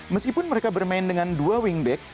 meskipun mereka bermain dengan dua wingback